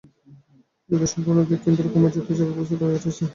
যুদ্ধের সম্ভাবনা দেখিয়া ইন্দ্রকুমার যুদ্ধে যাইবার প্রস্তাব করিয়াছেন।